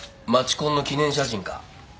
コンの記念写真か。